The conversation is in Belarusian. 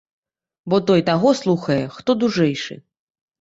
Бо той таго слухае, хто дужэйшы.